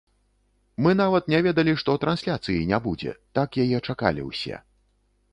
Мы нават не ведалі, што трансляцыі не будзе, так яе чакалі ўсе.